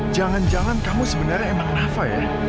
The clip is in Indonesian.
jangan jangan kamu sebenarnya emang nafa ya